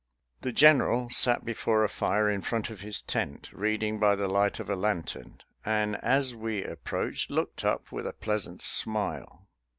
The General sat before a fire in front of his tent, reading by the light of a lantern, and as we approached looked up with a pleasant smile.